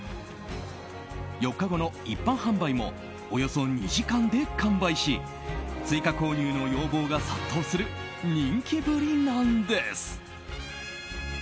４日後の一般発売もおよそ２時間で完売し追加購入の要望が殺到する人気ぶりなんです。